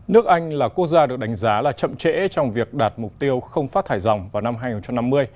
nước anh là quốc gia được đánh giá là chậm trễ trong việc đạt mục tiêu không phát thải dòng vào năm hai nghìn năm mươi